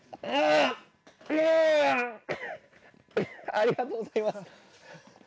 ありがとうございます。